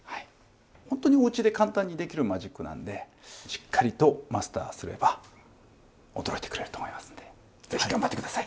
本当におうちで簡単にできるマジックなんでしっかりとマスターすれば驚いてくれると思いますんで是非頑張って下さい。